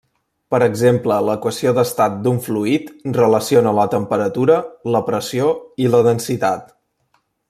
Per exemple l'equació d'estat d'un fluid relaciona la temperatura, la pressió i la densitat.